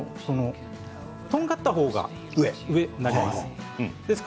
とんがった方が上になります。